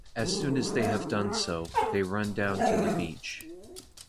As soon as they have done so, they run down to the beach.